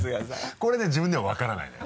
これね自分でも分からないのよ。